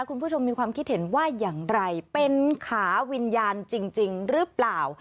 คุณผู้ชมมีความคิดเห็นว่าอย่างไรเป็นขาวิญญาณจริงหรือเปล่า